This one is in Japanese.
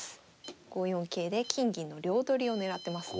５四桂で金銀の両取りを狙ってますね。